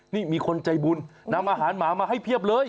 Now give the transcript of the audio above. นี่มีคนใจบุญนำอาหารหมามาให้เพียบเลย